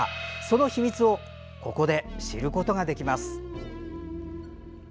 その秘密を、ここで知ることができます。